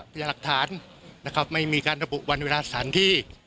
ด้วยหลักฐานไม่มีการระบุวัดวิราชสารที่